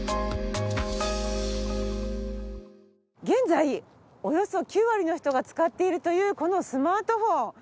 現在およそ９割の人が使っているというこのスマートフォン。